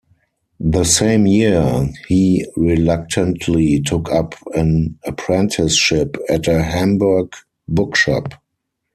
The same year he reluctantly took up an apprenticeship at a Hamburg bookshop.